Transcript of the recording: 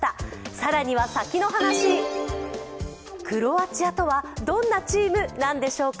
更には先の話、クロアチアとはどんなチームなんでしょうか。